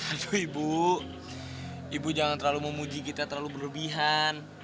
untuk ibu ibu jangan terlalu memuji kita terlalu berlebihan